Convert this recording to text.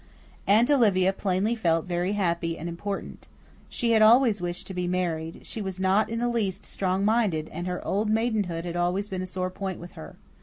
Aunt Olivia plainly felt very happy and important. She had always wished to be married; she was not in the least strong minded and her old maidenhood had always been a sore point with her.